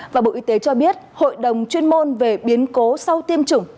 và bộ y tế cho biết hội đồng chuyên môn về biến cố sau tiêm chủng xác định